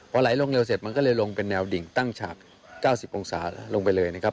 พอไหลลงเร็วเสร็จมันก็เลยลงเป็นแนวดิ่งตั้งฉาก๙๐องศาลงไปเลยนะครับ